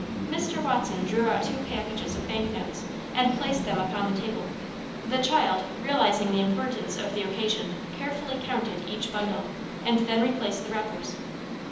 Mr. Watson drew out two packages of bank notes and placed them upon the table. The child, realizing the importance of the occasion, carefully counted each bundle, and then replaced the wrappers.